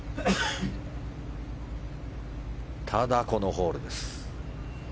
ただ、このホールです。